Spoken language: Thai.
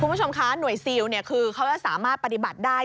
คุณผู้ชมคะหน่วยซิลคือเขาจะสามารถปฏิบัติได้